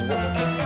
ngồi yên mày